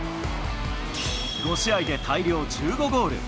５試合で大量１５ゴール。